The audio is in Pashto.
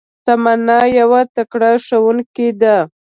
تمنا يو تکړه ښوونکي ده